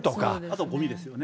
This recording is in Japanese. あとはごみですよね。